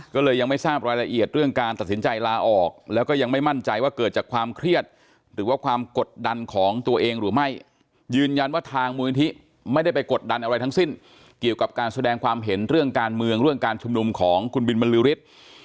ก็เลยยังไม่ทราบรายละเอียดเรื่องการตัดสินใจลาออกแล้วก็ยังไม่มั่นใจว่าเกิดจากความเครียดหรือว่าความกดดันของตัวเองหรือไม่ยืนยันว่าทางมูลนิธิไม่ได้ไปกดดันอะไรทั้งสิ้นเกี่ยวกับการแสดงความเห็นเรื่องการเมืองเรื่องการชุมนุมของคุณบินบรรลือฤทธิ์